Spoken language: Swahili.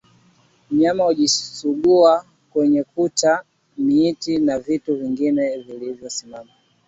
Mnyama hujisugua kwenye kuta miti na vitu vingine vilivyosimama